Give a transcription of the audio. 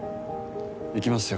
行きますよ。